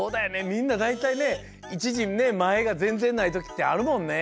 みんなだいたいねいちじねまえがぜんぜんないときってあるもんね。